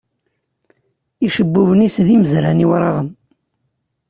Icebbuben-is, d imezran iwraɣen.